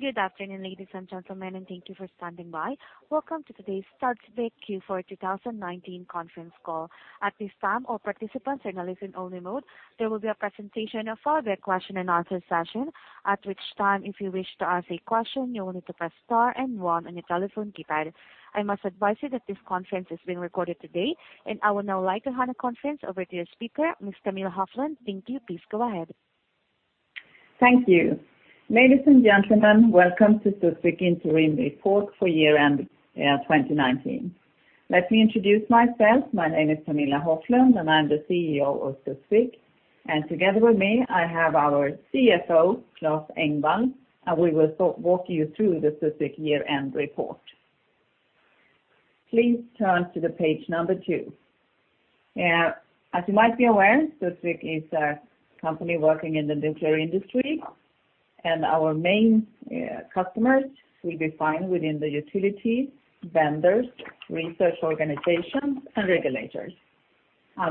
Good afternoon, ladies and gentlemen, and thank you for standing by. Welcome to today's Studsvik Q4 2019 conference call. At this time, all participants are in listen only mode. There will be a presentation followed by a question-and-answer session, at which time, if you wish to ask a question, you will need to press star and one on your telephone keypad. I must advise you that this conference is being recorded today, and I would now like to hand the conference over to your speaker, Ms. Camilla Hoflund. Thank you. Please go ahead. Thank you. Ladies and gentlemen, welcome to Studsvik interim report for year-end 2019. Let me introduce myself. My name is Camilla Hoflund, and I'm the CEO of Studsvik, and together with me, I have our CFO, Claes Engvall, and we will walk you through the Studsvik year-end report. Please turn to the page number two. As you might be aware, Studsvik is a company working in the nuclear industry, and our main customers will be found within the utility vendors, research organizations, and regulators.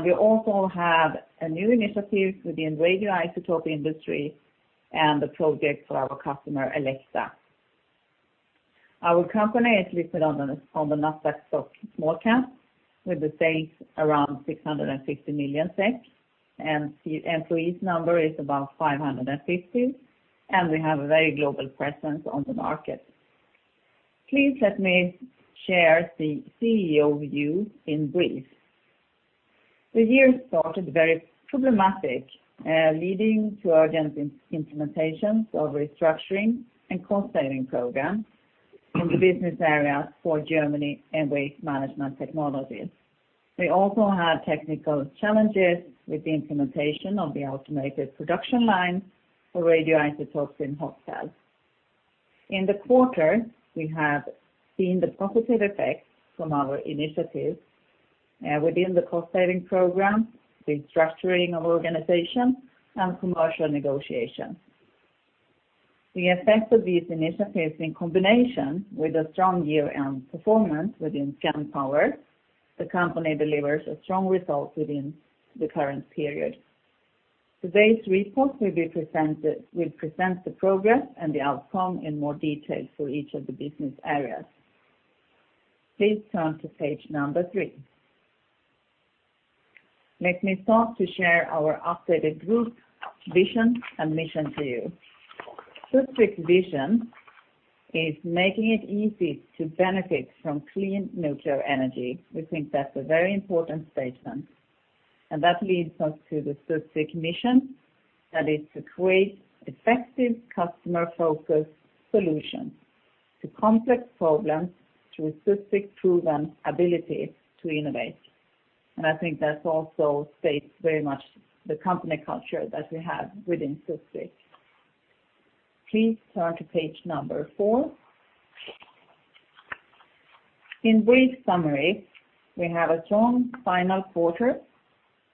We also have a new initiative within radioisotope industry and a project for our customer Elekta. Our company is listed on the Nasdaq Stockholm Small Cap with the sales around 650 million SEK, and employees number is about 550, and we have a very global presence on the market. Please let me share the CEO review in brief. The year started very problematic, leading to urgent implementations of restructuring and cost-saving programs in the business area for Germany and waste management technologies. We also had technical challenges with the implementation of the automated production line for radioisotopes in hot cells. In the quarter, we have seen the positive effects from our initiatives within the cost-saving program, restructuring of organization, and commercial negotiations. The effect of these initiatives in combination with a strong year-end performance within Scandpower, the company delivers a strong result within the current period. Today's report will present the progress and the outcome in more detail for each of the business areas. Please turn to page three. Let me start to share our updated group vision and mission to you. Studsvik's vision is making it easy to benefit from clean nuclear energy. We think that's a very important statement, that leads us to the Studsvik mission. That is to create effective customer-focused solutions to complex problems through Studsvik proven ability to innovate. I think that also states very much the company culture that we have within Studsvik. Please turn to page number four. In brief summary, we had a strong final quarter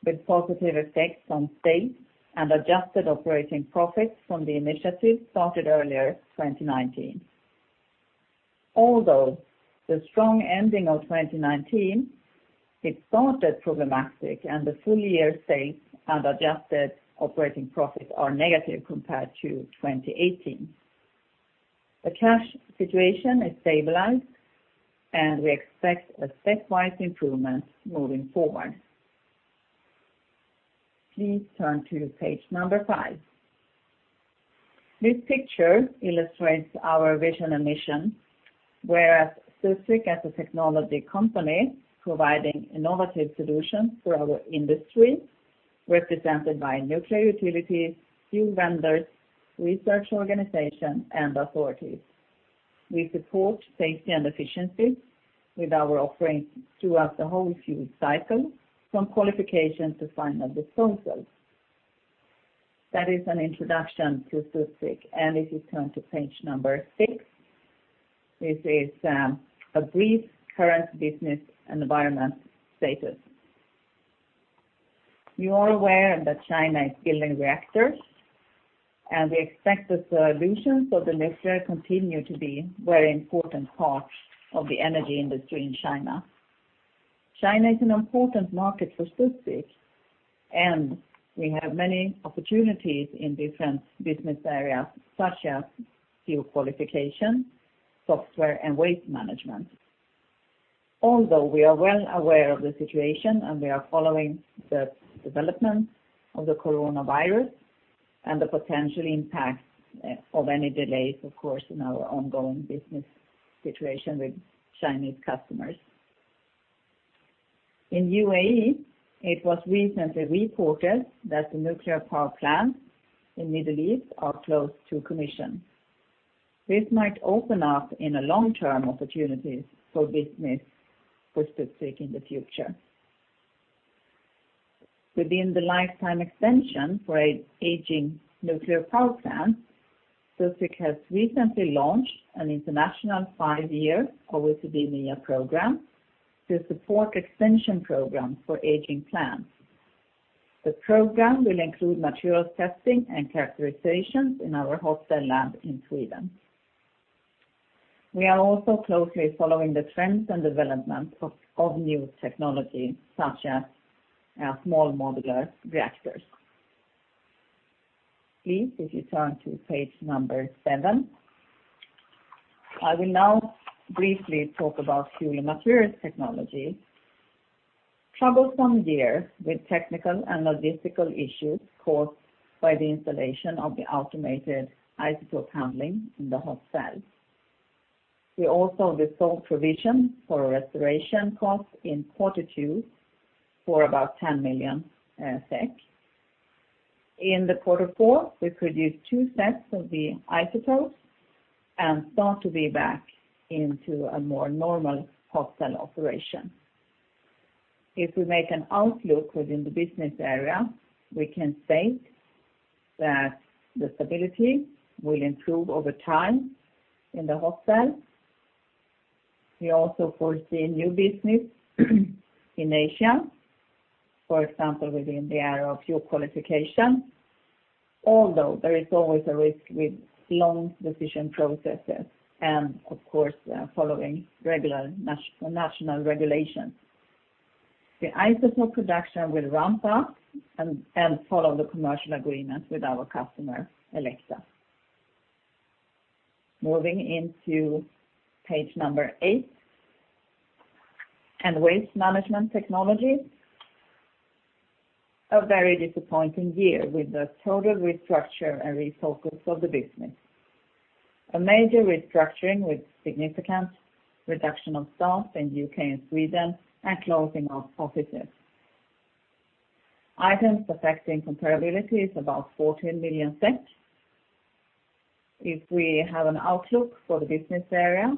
with positive effects on sales and adjusted operating profits from the initiatives started earlier 2019. Although the strong ending of 2019, it started problematic and the full year sales and adjusted operating profits are negative compared to 2018. The cash situation is stabilized, we expect stepwise improvements moving forward. Please turn to page number five. This picture illustrates our vision and mission, whereas Studsvik, as a technology company providing innovative solutions for our industry, represented by nuclear utilities, fuel vendors, research organization, and authorities. We support safety and efficiency with our offerings throughout the whole fuel cycle, from qualification to final disposal. That is an introduction to Studsvik. If you turn to page number six, this is a brief current business environment status. You are aware that China is building reactors. We expect the solutions of the nuclear continue to be very important parts of the energy industry in China. China is an important market for Studsvik. We have many opportunities in different business areas, such as fuel qualification, software, and waste management. Although, we are well aware of the situation, and we are following the development of the coronavirus and the potential impact of any delays, of course, in our ongoing business situation with Chinese customers. In U.A.E., it was recently reported that the nuclear power plants in Middle East are close to commission. This might open up in a long-term opportunities for business for Studsvik in the future. Within the lifetime extension for aging nuclear power plants, Studsvik has recently launched an international five-year COVIDIMEA program to support extension programs for aging plants. The program will include materials testing and characterizations in our hot cell lab in Sweden. We are also closely following the trends and development of new technology such as small modular reactors. Please, if you turn to page number seven. I will now briefly talk about Fuel and Materials Technology. Troublesome year with technical and logistical issues caused by the installation of the automated isotope handling in the hot cell. We also resolved provision for restoration costs in Q2 for about 10 million SEK. In the quarter four, we produced two sets of the isotopes and start to be back into a more normal hot cell operation. If we make an outlook within the business area, we can state that the stability will improve over time in the hot cell. We also foresee new business in Asia, for example, within the area of fuel qualification, although there is always a risk with long decision processes and, of course, following national regulations. The isotope production will ramp up and follow the commercial agreement with our customer, Elekta. Moving into page number eight and Waste Management Technology. A very disappointing year with a total restructure and refocus of the business. A major restructuring with significant reduction of staff in U.K. and Sweden and closing of offices. Items affecting comparability is about 14 million. If we have an outlook for the business area,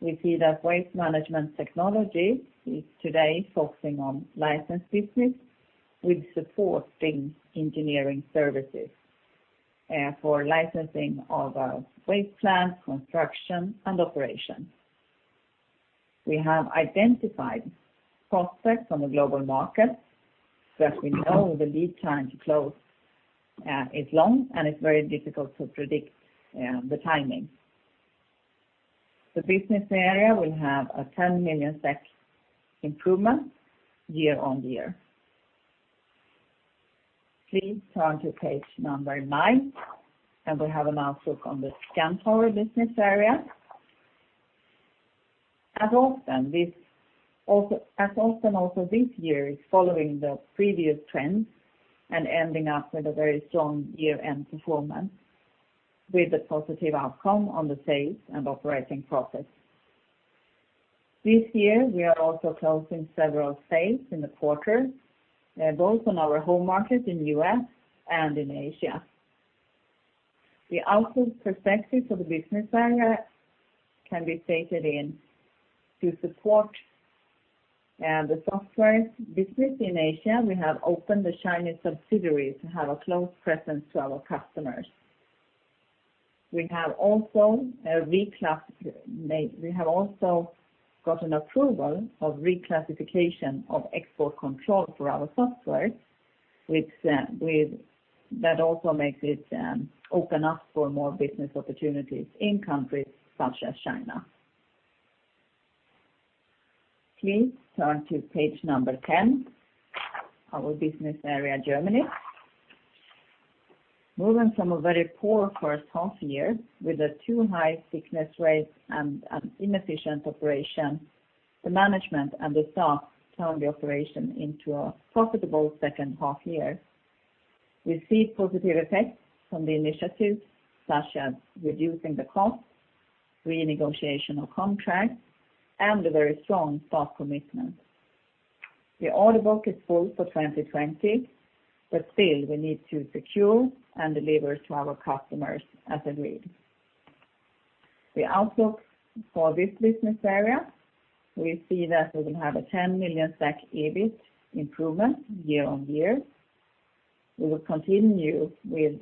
we see that Waste Management Technology is today focusing on license business with supporting engineering services for licensing of waste plans, construction, and operation. We have identified prospects on the global market that we know the lead time to close is long, and it's very difficult to predict the timing. The business area will have a 10 million SEK improvement year-on-year. Please turn to page number nine. We have an outlook on the Scandpower business area. As often also this year is following the previous trends and ending up with a very strong year-end performance with a positive outcome on the sales and operating profits. This year, we are also closing several sales in the quarter, both on our home market in the U.S. and in Asia. The outlook perspective of the business area can be stated in to support the software business in Asia, we have opened a Chinese subsidiary to have a close presence to our customers. We have also gotten approval of reclassification of export control for our software. That also makes it open up for more business opportunities in countries such as China. Please turn to page number 10, our business area, Germany. Moving from a very poor first half year with a too high sickness rate and inefficient operation, the management and the staff turned the operation into a profitable second half year. We see positive effects from the initiatives such as reducing the cost, renegotiation of contracts, and a very strong staff commitment. The order book is full for 2020. Still, we need to secure and deliver to our customers as agreed. The outlook for this business area, we see that we will have a 10 million SEK EBIT improvement year-on-year. We will continue with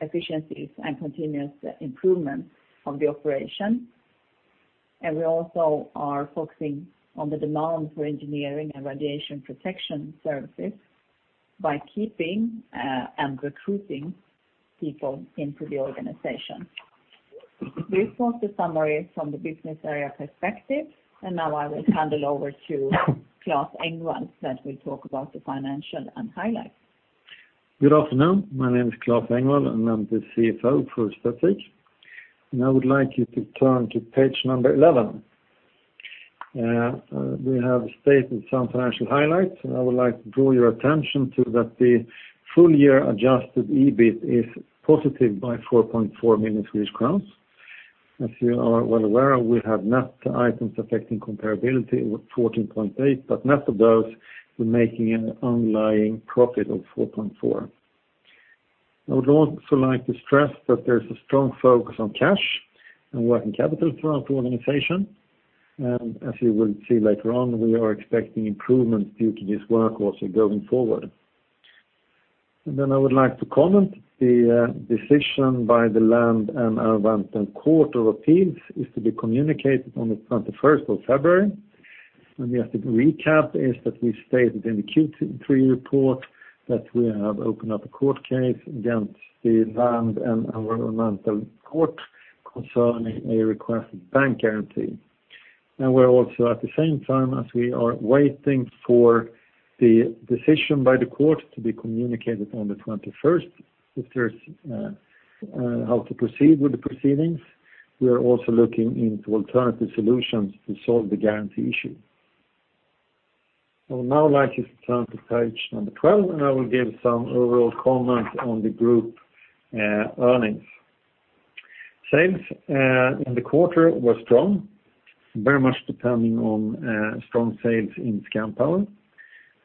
efficiencies and continuous improvement of the operation. We also are focusing on the demand for engineering and radiation protection services by keeping and recruiting people into the organization. This was the summary from the business area perspective. Now I will hand it over to Claes Engvall that will talk about the financial and highlights. Good afternoon. My name is Claes Engvall, I'm the CFO for Studsvik. I would like you to turn to page number 11. We have stated some financial highlights, and I would like to draw your attention to that the full year adjusted EBIT is positive by 4.4 million Swedish crowns. As you are well aware, we have net items affecting comparability with 14.8, but net of those, we're making an underlying profit of 4.4. I would also like to stress that there's a strong focus on cash and working capital throughout the organization. As you will see later on, we are expecting improvements due to this work also going forward. I would like to comment the decision by the Land and Environment Court of Appeal is to be communicated on the 21st of February. Yes, the recap is that we stated in the Q3 report that we have opened up a court case against the Land and Environment Court concerning a requested bank guarantee. We're also at the same time, as we are waiting for the decision by the court to be communicated on the 21st, if there's how to proceed with the proceedings, we are also looking into alternative solutions to solve the guarantee issue. I would now like you to turn to page number 12, and I will give some overall comments on the group earnings. Sales in the quarter were strong, very much depending on strong sales in Scandpower,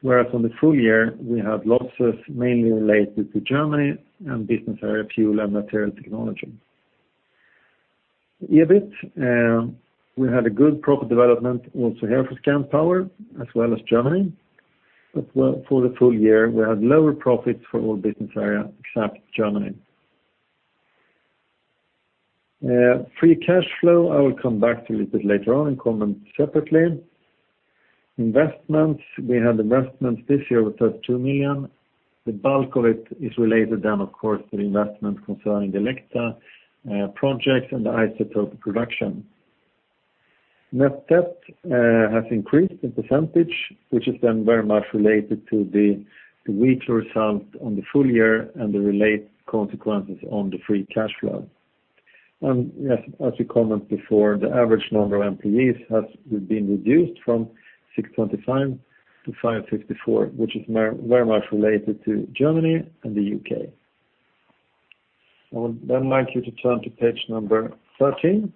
whereas on the full year, we had losses mainly related to Germany and business area Fuel and Materials Technology. EBIT, we had a good profit development also here for Scandpower as well as Germany. For the full year, we had lower profits for all business areas except Germany. Free cash flow, I will come back to a little bit later on and comment separately. Investments, we had investments this year of 32 million. The bulk of it is related then, of course, to the investment concerning the Elekta projects and the isotope production. Net debt has increased in percentage, which is then very much related to the weaker result on the full year and the related consequences on the free cash flow. As we commented before, the average number of employees has been reduced from 625 to 564, which is very much related to Germany and the U.K. I would like you to turn to page 13.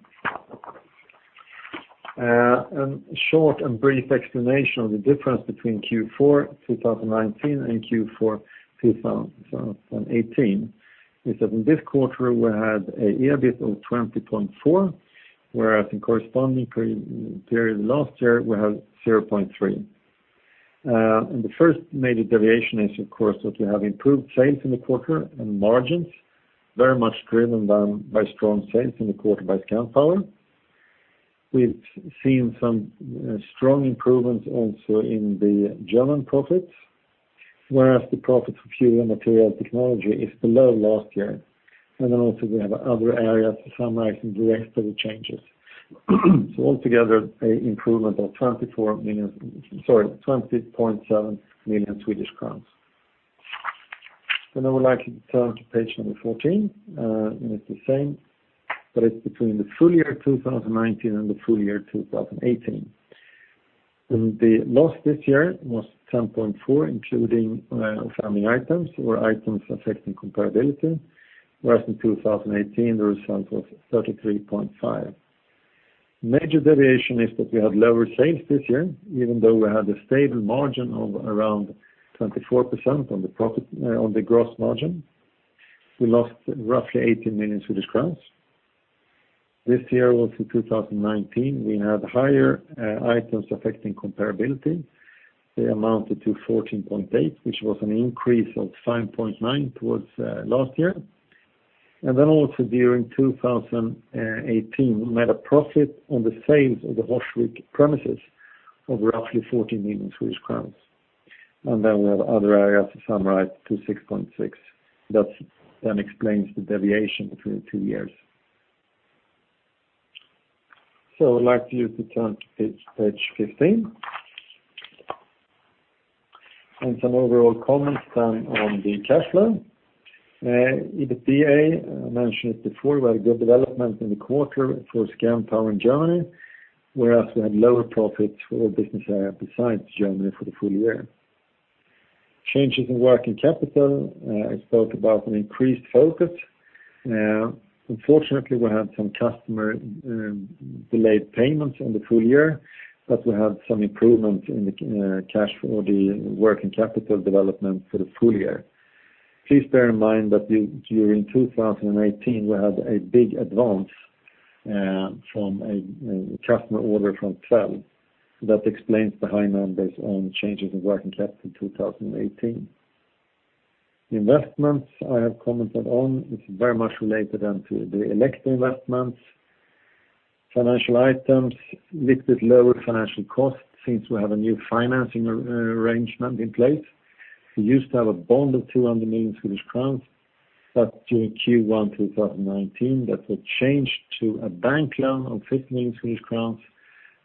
A short and brief explanation of the difference between Q4 2019 and Q4 2018 is that in this quarter we had an EBIT of 20.4, whereas in corresponding period last year, we had 0.3. The first major deviation is, of course, that we have improved sales in the quarter and margins very much driven by strong sales in the quarter by Scandpower. We've seen some strong improvements also in the German profits, whereas the profit for Fuel and Materials Technology is below last year. We have other areas summarized in the rest of the changes. Altogether, a improvement of 20.7 million Swedish crowns. I would like you to turn to page number 14, and it's the same, but it's between the full year 2019 and the full year 2018. The loss this year was 10.4, including some items or items affecting comparability, whereas in 2018, the result was 33.5. Major deviation is that we had lower sales this year, even though we had a stable margin of around 24% on the gross margin. We lost roughly 18 million Swedish crowns. This year also 2019, we had higher items affecting comparability. They amounted to 14.8, which was an increase of 5.9 towards last year. Also during 2018, we made a profit on the sales of the Horsvik premises of roughly 14 million Swedish crowns. We have other areas summarized to 6.6. That then explains the deviation between the two years. I would like you to turn to page 15, some overall comments on the cash flow. EBITDA, I mentioned it before, we had a good development in the quarter for Scandpower in Germany, whereas we had lower profits for our business area besides Germany for the full year. Changes in working capital, I spoke about an increased focus. Unfortunately, we had some customer delayed payments in the full year, we had some improvement in the working capital development for the full year. Please bear in mind that during 2018, we had a big advance from a customer order from Kværner. That explains the high numbers on changes in working capital 2018. Investments, I have commented on, which is very much related to the Elekta investments. Financial items, little bit lower financial costs since we have a new financing arrangement in place. We used to have a bond of 200 million Swedish crowns, but during Q1 2019, that was changed to a bank loan of 15 million Swedish crowns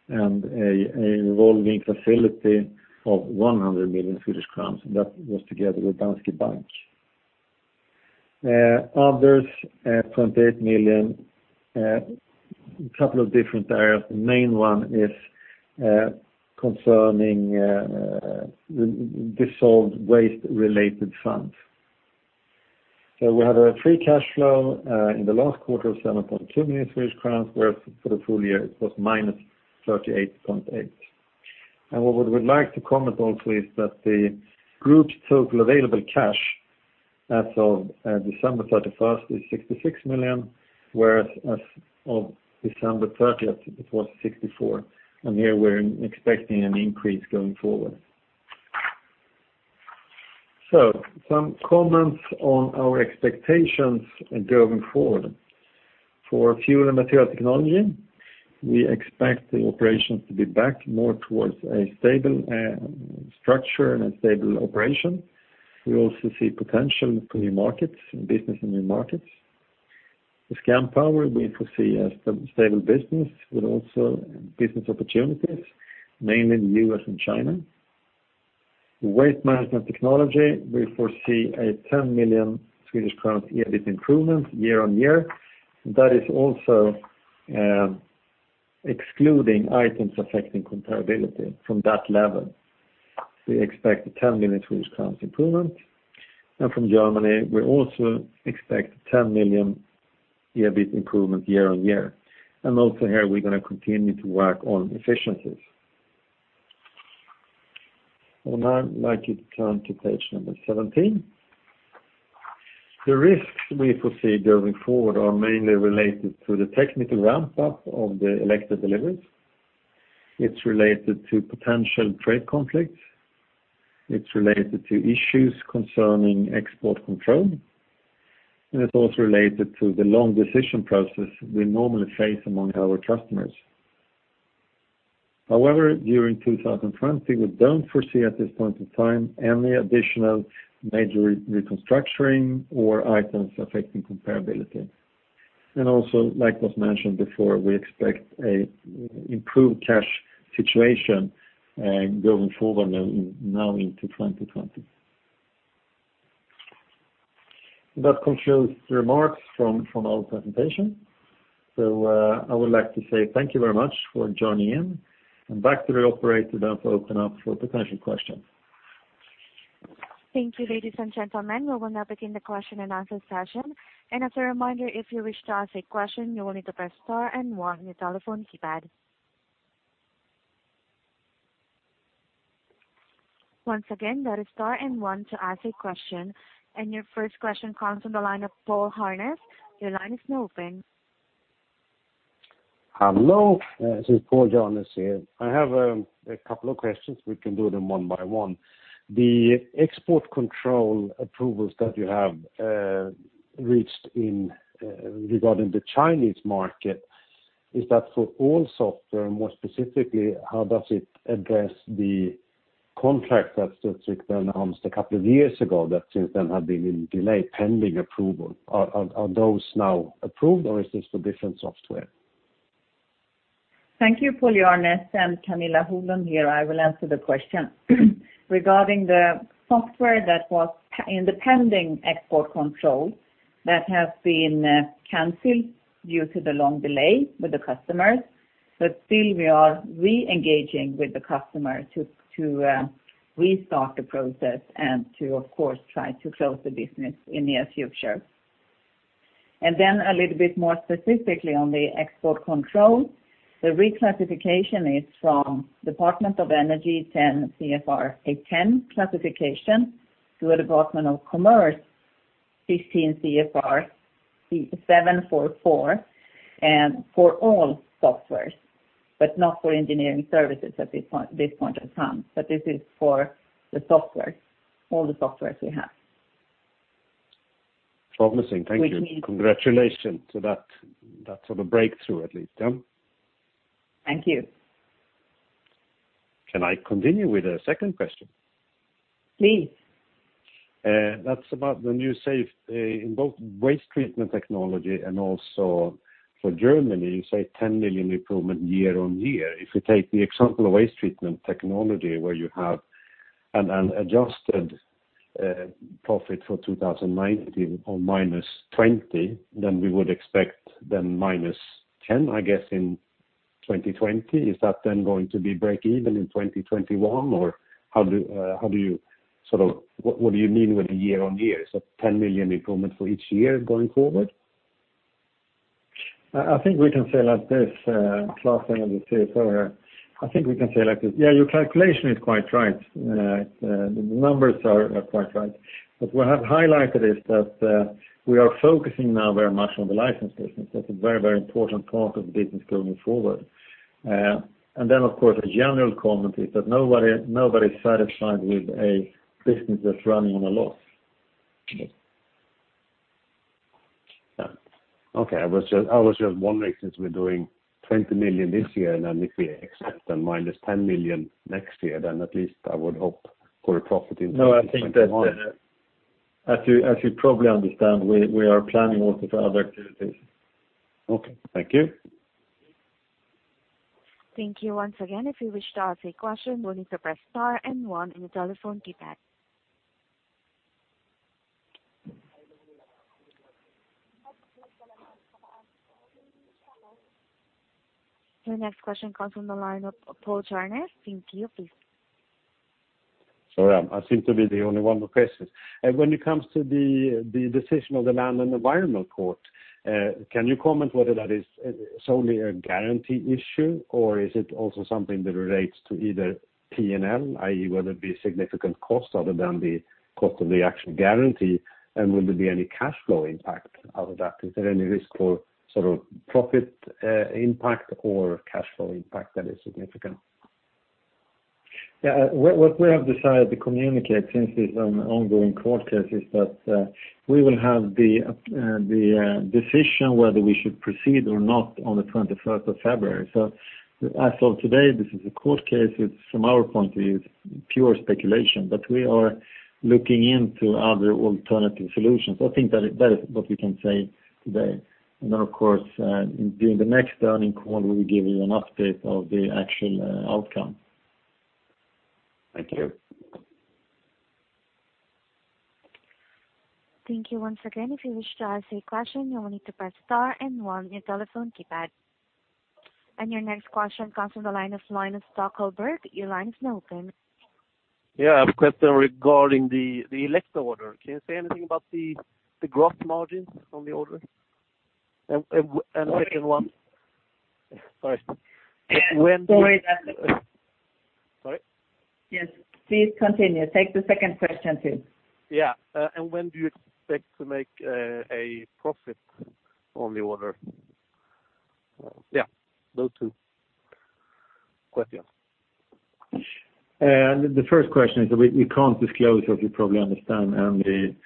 and a revolving facility of 100 million Swedish crowns. That was together with Danske Bank. Others, 28 million, couple of different areas. The main one is concerning dissolved waste-related funds. We have a free cash flow in the last quarter of 7.2 million Swedish crowns, whereas for the full year it was -38.8 million. What we would like to comment also is that the group's total available cash as of December 31st is 66 million, whereas as of December 30th, it was 64 million, Here we're expecting an increase going forward. Some comments on our expectations going forward. For Fuel and Materials Technology, we expect the operations to be back more towards a stable structure and a stable operation. We also see potential for new markets, business and new markets. Scandpower, we foresee a stable business with also business opportunities, mainly in the U.S. and China. Waste Management Technology, we foresee a 10 million Swedish crowns EBIT improvement year-on-year. That is also excluding items affecting comparability from that level. We expect a 10 million Swedish crowns improvement, and from Germany, we also expect 10 million EBIT improvement year-on-year. Also here, we're going to continue to work on efficiencies. I would like you to turn to page 17. The risks we foresee going forward are mainly related to the technical ramp-up of the Elekta deliveries. It's related to potential trade conflicts, it's related to issues concerning export control, and it's also related to the long decision process we normally face among our customers. During 2020, we don't foresee at this point in time any additional major restructuring or items affecting comparability. Also, like was mentioned before, we expect an improved cash situation going forward now into 2020. That concludes the remarks from our presentation. I would like to say thank you very much for joining in, and back to the operator now to open up for potential questions. Thank you, ladies and gentlemen. We will now begin the question and answer session. As a reminder, if you wish to ask a question, you will need to press star and one on your telephone keypad. Once again, that is star and one to ask a question. Your first question comes from the line of Paul Hjarnes. Your line is now open. Hello, this is Paul Hjarnes here. I have a couple of questions. We can do them one by one. The export control approvals that you have reached regarding the Chinese market, is that for all software? More specifically, how does it address the contract that Statkraft announced a couple of years ago that since then had been in delay pending approval? Are those now approved or is this for different software? Thank you, Paul Hjarnes. I'm Camilla Hoflund here. I will answer the question. Regarding the software that was in the pending export control, that has been canceled due to the long delay with the customers. Still we are re-engaging with the customer to restart the process and to, of course, try to close the business in the near future. Then a little bit more specifically on the export control, the reclassification is from Department of Energy 10 CFR Part 810 classification to a U.S. Department of Commerce 15 CFR Part 744 for all softwares, but not for engineering services at this point in time. This is for the software, all the softwares we have. Promising. Thank you. Which means- Congratulations to that sort of breakthrough, at least. Thank you. Can I continue with a second question? Please. That's about the new Studsvik in both Waste Management Technology and also for Germany, you say 10 million improvement year-over-year. If you take the example of Waste Management Technology, where you have an adjusted profit for 2019 of -20, we would expect then -10, I guess, in 2020. Is that then going to be break even in 2021? What do you mean with a year-over-year? Is that 10 million improvements for each year going forward? I think we can say like this, Claes here. Yeah, your calculation is quite right. The numbers are quite right. What I have highlighted is that we are focusing now very much on the license business. That's a very, very important part of the business going forward. Of course, a general comment is that nobody is satisfied with a business that's running on a loss. Okay. I was just wondering, since we're doing 20 million this year, and then if we accept the -10 million next year, then at least I would hope for a profit in 2021. No, I think that as you probably understand, we are planning also for other activities. Okay. Thank you. Thank you once again. If you wish to ask a question, you will need to press star and one in your telephone keypad. Your next question comes from the line of Paul Hjarnes. To you, please. Sorry, I seem to be the only one with questions. When it comes to the decision of the Land and Environment Court, can you comment whether that is solely a guarantee issue or is it also something that relates to either P&L, i.e., will there be significant cost other than the cost of the actual guarantee? Will there be any cash flow impact out of that? Is there any risk for profit impact or cash flow impact that is significant? What we have decided to communicate since this ongoing court case is that we will have the decision whether we should proceed or not on the 21st of February. As of today, this is a court case. It's from our point of view, it's pure speculation. We are looking into other alternative solutions. I think that is what we can say today. Of course, during the next earnings call, we will give you an update of the actual outcome. Thank you. Thank you once again. If you wish to ask a question, you will need to press star and one on your telephone keypad. Your next question comes from the line of Linus Stockholbert. Your line is now open. Yeah. I have a question regarding the Elekta order. Can you say anything about the gross margins from the order? The second one. Sorry. Sorry? Yes, please continue. Take the second question, too. Yeah. When do you expect to make a profit on the order? Yeah, those two questions. The first question is that we can't disclose, as you probably understand, any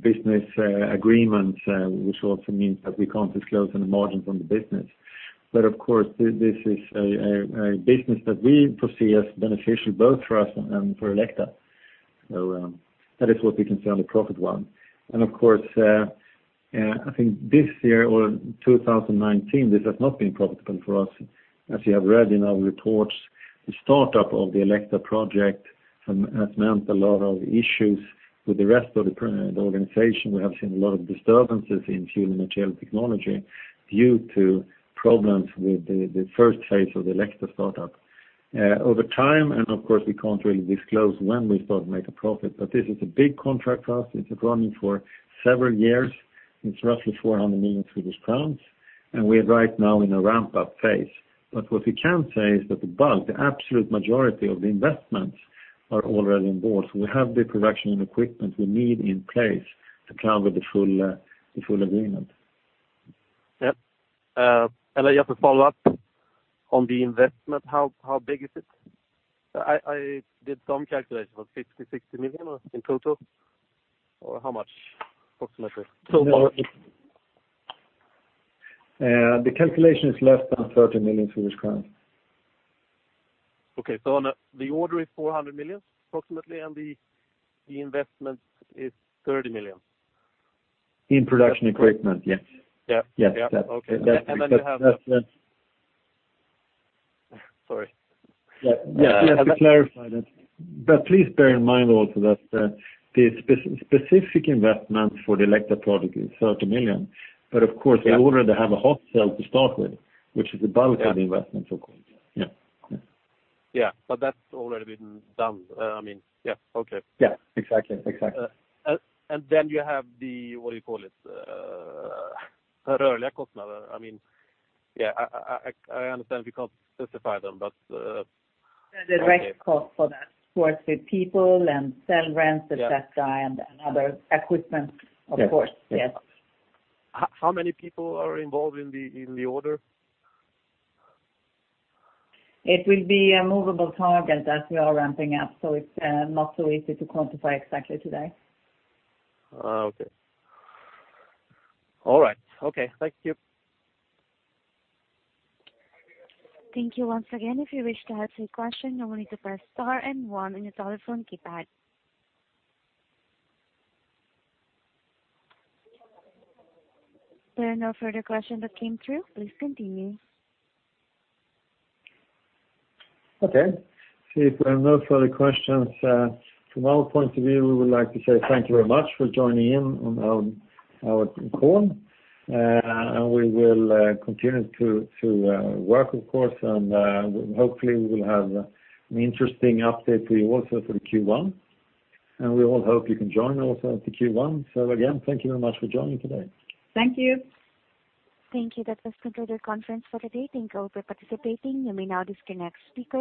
business agreements, which also means that we can't disclose any margin from the business. Of course, this is a business that we perceive as beneficial, both for us and for Elekta. That is what we can say on the profit one. Of course, I think this year or 2019, this has not been profitable for us. As you have read in our reports, the startup of the Elekta project has meant a lot of issues with the rest of the organization. We have seen a lot of disturbances in Fuel and Materials Technology due to problems with the first phase of the Elekta startup. Over time, and of course, we can't really disclose when we thought to make a profit, but this is a big contract for us. It's running for several years. It's roughly 400 million Swedish crowns, and we are right now in a ramp-up phase. What we can say is that the bulk, the absolute majority of the investments are already on board. We have the production and equipment we need in place to cover the full agreement. Yep. I just follow up on the investment. How big is it? I did some calculations, was it 50 million-60 million in total, or how much approximately? The calculation is less than 30 million Swedish crowns. Okay. The order is 400 million approximately, and the investment is 30 million. In production equipment, yes. Yeah. Yes. Okay. Sorry. Yeah. Just to clarify that. Please bear in mind also that the specific investment for the Elekta project is 30 million. Of course, they already have a hot cell to start with, which is above the investment, of course. Yeah. Yeah. That's already been done. I mean, yeah. Okay. Yeah, exactly. You have the, what do you call it? I mean, yeah, I understand we can't specify them. The direct cost for that, of course, the people and salaries, et cetera, and other equipment, of course. Yes. How many people are involved in the order? It will be a movable target as we are ramping up, so it's not so easy to quantify exactly today. Oh, okay. All right. Okay. Thank you. Thank you once again. If you wish to ask any question, you will need to press star and one on your telephone keypad. There are no further questions that came through. Please continue. Okay. If there are no further questions, from our point of view, we would like to say thank you very much for joining in on our call. We will continue to work, of course, hopefully we will have an interesting update for you also for the Q1. We all hope you can join us also at the Q1. Again, thank you very much for joining today. Thank you. Thank you. That was concluded conference for today. Thank you all for participating. You may now disconnect speakers